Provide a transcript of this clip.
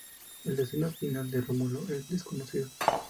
El destino final de Rómulo es desconocido.